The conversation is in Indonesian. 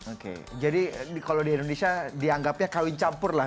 oke jadi kalau di indonesia dianggapnya kawin campur lah